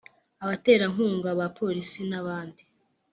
abaterankunga ba Polisi n abandi